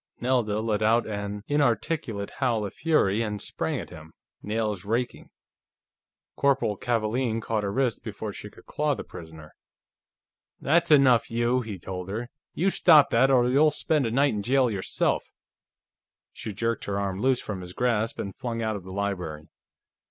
Nelda let out an inarticulate howl of fury and sprang at him, nails raking. Corporal Kavaalen caught her wrist before she could claw the prisoner. "That's enough, you!" he told her. "You stop that, or you'll spend a night in jail yourself." She jerked her arm loose from his grasp and flung out of the library.